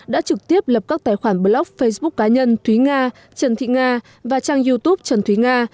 đã trực tiếp lập các tài khoản blog facebook cá nhân thúy nga trần thị nga và trang youtube trần thúy nga